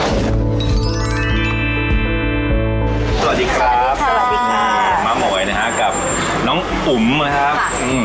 สวัสดีครับสวัสดีค่ะม้าหม่อยนะฮะกับน้องอุ๋มนะครับ